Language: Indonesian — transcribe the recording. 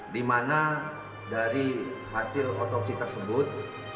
di mana dari hasil otopsi tersebut